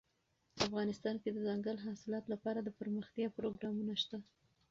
افغانستان کې د دځنګل حاصلات لپاره دپرمختیا پروګرامونه شته.